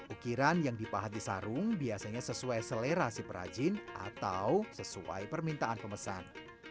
ukiran yang dipahati sarung biasanya sesuai selera si perhajin atau sesuai permintaan pemesan